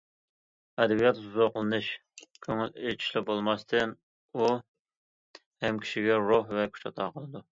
ئەدەبىيات زوقلىنىش، كۆڭۈل ئېچىشلا بولماستىن، ئۇ ھەم كىشىگە روھ ۋە كۈچ ئاتا قىلىدۇ.